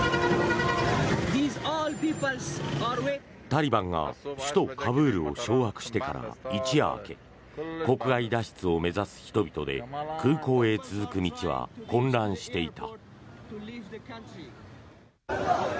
タリバンが首都カブールを掌握してから一夜明け国外脱出を目指す人々で空港へ続く道は混乱していた。